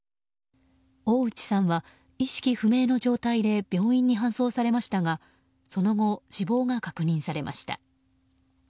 大内さんは意識不明の状態で病院に搬送されましたがその後、死亡が確認されました。